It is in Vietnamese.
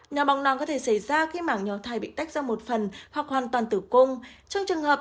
nhò bong non có thể xảy ra khi mảng nhò thai bị tách ra một phần hoặc hoàn toàn tử cung trong trường hợp